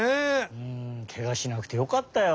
うんけがしなくてよかったよ。